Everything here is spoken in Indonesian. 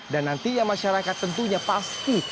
dan nantinya masyarakat tentunya pasti